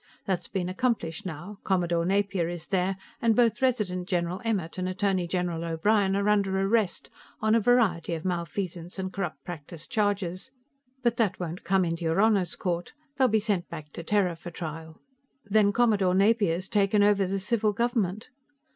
That's been accomplished now; Commodore Napier is there, and both Resident General Emmert and Attorney General O'Brien are under arrest, on a variety of malfeasance and corrupt practice charges, but that won't come into your Honor's court. They'll be sent back to Terra for trial." "Then Commodore Napier's taken over the civil government?"